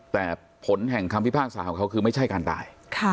แต่ผลแห่งคำพิพากษาของเขาคือไม่ใช่การตาย